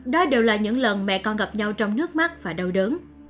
đó đều là những lần mẹ con gặp nhau trong nước mắt và đau đớn